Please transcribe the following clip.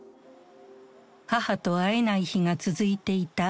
母と会えない日が続いていたある日。